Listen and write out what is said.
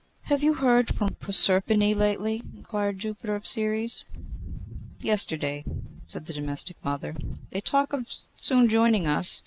'Have you heard from Proserpine, lately?' inquired Jupiter of Ceres. 'Yesterday,' said the domestic mother. 'They talk of soon joining us.